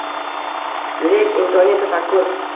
Lek insoniy tafakkur —